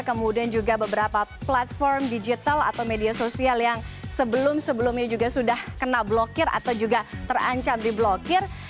kemudian juga beberapa platform digital atau media sosial yang sebelum sebelumnya juga sudah kena blokir atau juga terancam diblokir